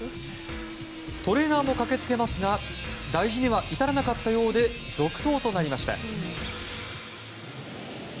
トレーナーも駆けつけますが大事には至らなかったようで続投となりました。